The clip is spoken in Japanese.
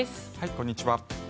こんにちは。